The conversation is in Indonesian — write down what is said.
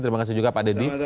terima kasih juga pak deddy